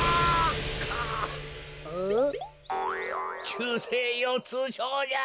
きゅうせいようつうしょうじゃ。